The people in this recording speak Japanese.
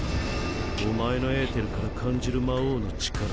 お前のエーテルから感じる魔王の力。